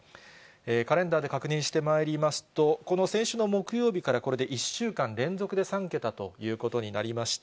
カレンダーで確認してまいりますと、この先週の木曜日から、これで１週間連続で３桁ということになりました。